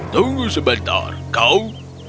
tunggu sebentar kau